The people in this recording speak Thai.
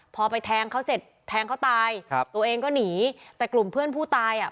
พอไปแทงเขาเสร็จแทงเขาตายครับตัวเองก็หนีแต่กลุ่มเพื่อนผู้ตายอ่ะ